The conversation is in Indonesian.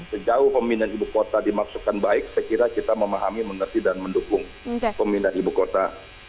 sejauh pemindahan ibu kota dimaksudkan baik saya kira kita memahami mengerti dan mendukung pemindahan ibu kota